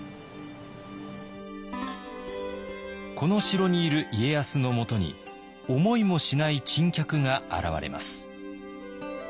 この城にいる家康のもとに思いもしない珍客が現れます。